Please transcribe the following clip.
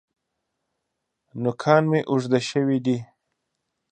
نوکان مي اوږده شوي دي .